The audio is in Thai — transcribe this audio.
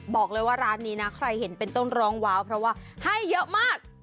บอกเลยว่าร้านนี้นะใครเห็นเป็นต้องร้องว้าวเพราะว่าให้เยอะมาก